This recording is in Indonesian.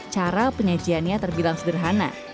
cara penyajiannya terbilang sederhana